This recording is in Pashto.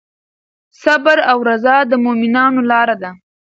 صبر او رضا د مؤمنانو لاره ده.